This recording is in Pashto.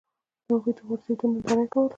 د هغوی د غورځېدو ننداره یې کوله.